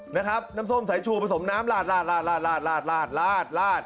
นะครับน้ำส้มสายชูผสมน้ำลาด